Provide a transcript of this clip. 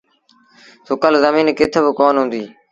سُڪل زميݩ ڪٿ با ڪونا هُديٚ۔